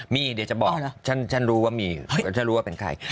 มีเดี๋ยวจะบอกฉันรู้ว่ามีเดี๋ยวฉันรู้ว่าเป็นใคร